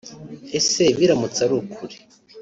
Ese biramutse ari ukuri